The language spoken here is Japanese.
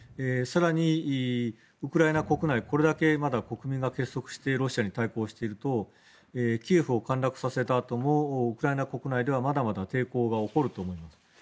更に、ウクライナ国内これだけまだ国民が結束してロシアに対抗しているとキエフを陥落させたあともウクライナ国内ではまだまだ抵抗が起こると思うんです。